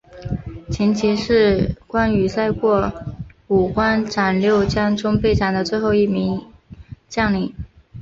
秦琪是关羽在过五关斩六将中被斩的最后一名将领。